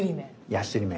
やすり目。